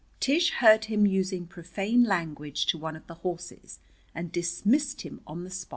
Tish heard him using profane language to one of the horses and dismissed him on the spot.